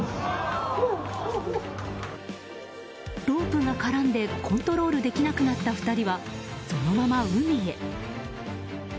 ロープが絡んでコントロールできなくなった２人はそのまま海へ。